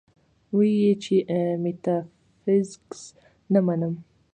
وې ئې چې ميټافزکس نۀ منم -